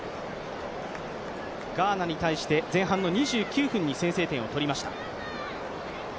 ガーナに対して前半の２９分に先制点を取りました。